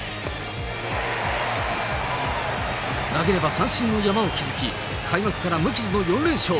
投げれば三振の山を築き、開幕から無傷の４連勝。